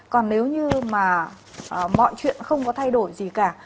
còn nếu như mà mọi chuyện không có thay đổi gì cả